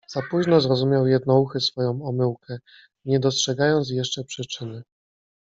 Za późno zrozumiał Jednouchy swoją omyłkę. nie dostrzegając jeszcze przyczyny